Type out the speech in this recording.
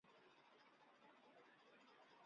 萧绎派柳仲礼率军进取襄阳。